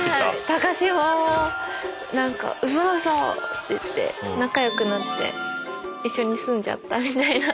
「高島を奪うぞ！」っていって仲良くなって一緒に住んじゃったみたいな。